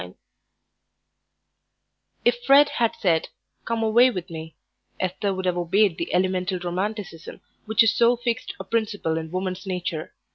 XXIX If Fred had said, "Come away with me," Esther would have obeyed the elemental romanticism which is so fixed a principle in woman's nature.